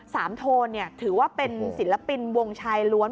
โทนเนี่ยถือว่าเป็นศิลปินวงชายล้วน